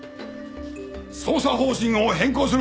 捜査方針を変更する！